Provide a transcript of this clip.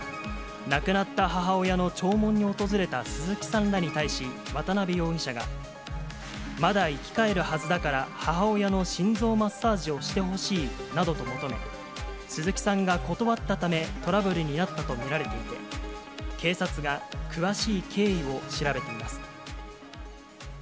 亡くなった母親の弔問に訪れた鈴木さんらに対し、渡辺容疑者が、まだ生き返るはずだから、母親の心臓マッサージをしてほしいなどと求め、鈴木さんが断ったため、トラブルになったと見られていて、警察が詳しい経緯を調べています。